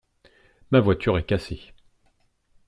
Ma voiture est cassée.